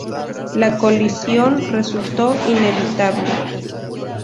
La colisión, resultó inevitable.